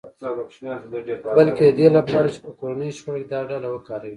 بلکې د دې لپاره چې په کورنیو شخړو کې دا ډله وکاروي